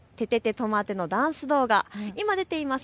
とまって！のダンス動画、今出ています